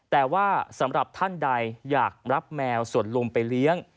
แต่ว่าสำหรับท่านใดอยากรับแมวส่วนลุงไปเลี้ยง